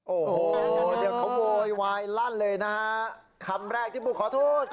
โอ้ให้เขาโบยวายรั่นเลยนะคำแรกที่พูดขอโทษ